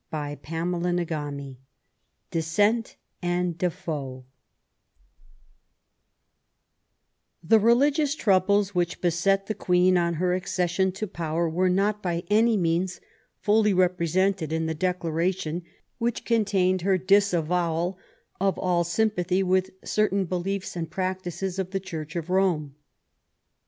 — 4 CHAPTER V DISSENT AND DEFOS The religious troubles which beset the Queen on her accession to power were not by any means fully represented in the declaration which contained her disavowal of all sympathy with certain beliefs and practices of the Church of Home.